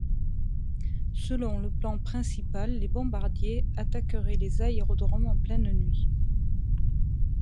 Selon le plan principal, les bombardiers attaqueraient les aérodromes en pleine nuit.